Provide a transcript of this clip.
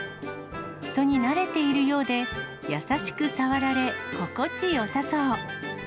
人になれているようで、優しく触られ、心地よさそう。